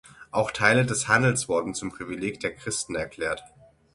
Auch Teile des Handels wurden zum Privileg der Christen erklärt.